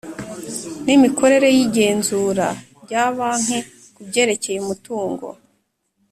N’ imikorere y’ igenzura rya banki ku ibyerekeye umutungo